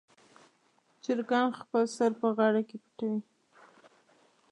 چرګان خپل سر په غاړه کې پټوي.